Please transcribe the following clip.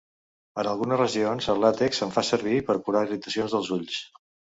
En algunes regions el làtex se'n fa servir per curar irritacions dels ulls.